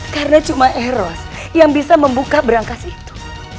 karena cuma eros yang bisa membuka berangkas itu